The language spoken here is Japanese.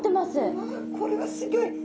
うわこれはすギョい。